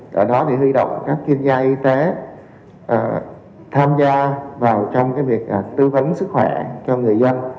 để hưu động các chuyên gia y tế tham gia vào trong việc tư vấn sức khỏe cho người dân